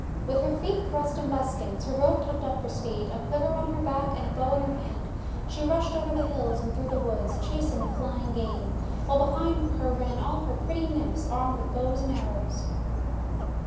With her feet thrust in buskins, her robe tucked up for speed, a quiver on her back, and a bow in her hand, she rushed over the hills and through the woods, chasing the flying game; while behind her ran all her pretty Nymphs armed with bows and arrows.